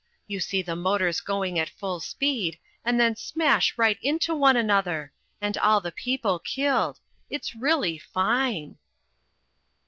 You see the motors going at full speed, and then smash right into one another and all the people killed it's really fine."